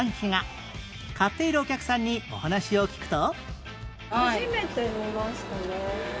買っているお客さんにお話を聞くと